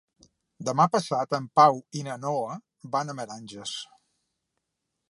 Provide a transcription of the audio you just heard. Demà passat en Pau i na Noa van a Meranges.